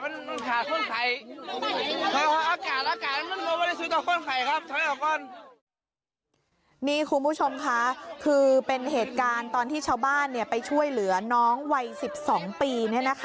นี่คุณผู้ชมค่ะคือเป็นเหตุการณ์ตอนที่ชาวบ้านไปช่วยเหลือน้องวัย๑๒ปี